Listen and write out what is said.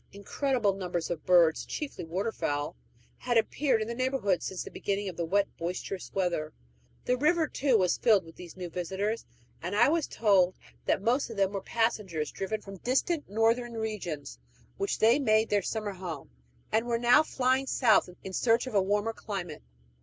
Incredible numbers of birds, chiefly waterfowl, had appeared in the neighborhood since the beginning of the wet, boisterous weather; the river too was filled with these new visitors, and I was told that most of them were passengers driven from distant northern regions, which they made their summer home, and were now flying south in search of a warmer climate.